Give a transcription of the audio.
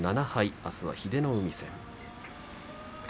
あすは英乃海戦です。